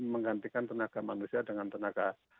menggantikan tenaga manusia dengan tenaga